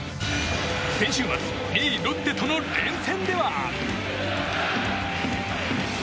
先週末２位、ロッテとの連戦では。